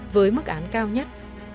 với mức án cao nhất